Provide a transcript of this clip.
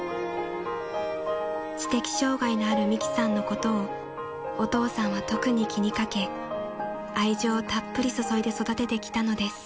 ［知的障害のある美樹さんのことをお父さんは特に気にかけ愛情をたっぷり注いで育ててきたのです］